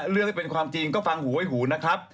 เรื่องที่เป็นความจริงก็ฟังหูไว้หูนะครับ